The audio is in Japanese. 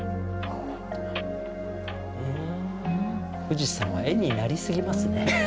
富士山は絵になりすぎますね。